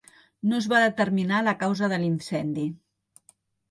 No es va determinar la causa de l'incendi.